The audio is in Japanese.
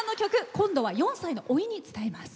今度は４歳の、おいに伝えます。